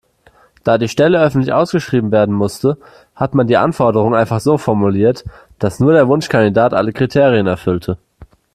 Da die Stelle öffentlich ausgeschrieben werden musste, hat man die Anforderungen einfach so formuliert, dass nur der Wunschkandidat alle Kriterien erfüllte.